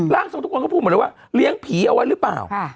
ทรงทุกคนเขาพูดหมดเลยว่าเลี้ยงผีเอาไว้หรือเปล่า